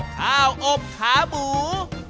ข้าวอบขาหมู